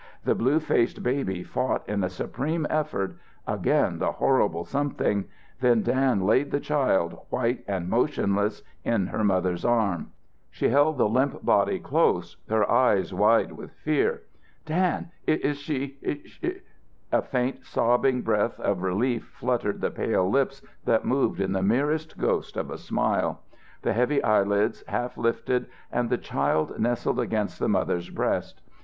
The blue faced baby fought in a supreme effort again the horrible something then Dan laid the child, white and motionless, in her mother's arms. She held the limp body close, her eyes wide with fear. "Dan, is is she ?" A faint sobbing breath of relief fluttered the pale lips that moved in the merest ghost of a smile. The heavy eyelids half lifted and the child nestled against its mother's breast.